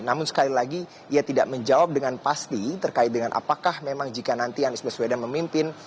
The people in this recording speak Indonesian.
namun sekali lagi ia tidak menjawab dengan pasti terkait dengan apakah memang jika nanti anies baswedan memimpin